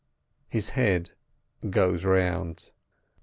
— His head goes round.